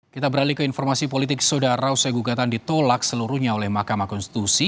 kita beralih ke informasi politik saudara usai gugatan ditolak seluruhnya oleh mahkamah konstitusi